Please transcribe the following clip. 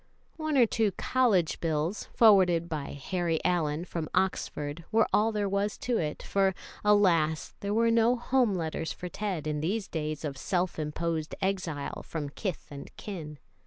One or two college bills, forwarded by Harry Allyn from Oxford, were all there was to it, for, alas! there were no home letters for Ted in these days of self imposed exile from kith and kin.